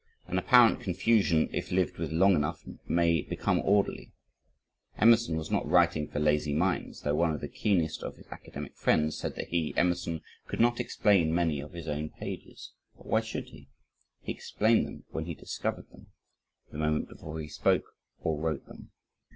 An apparent confusion if lived with long enough may become orderly. Emerson was not writing for lazy minds, though one of the keenest of his academic friends said that, he (Emerson) could not explain many of his own pages. But why should he! he explained them when he discovered them the moment before he spoke or wrote them.